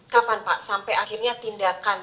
kapan pak sampai akhirnya tindakan